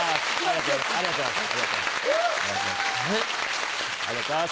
ありがとうございます。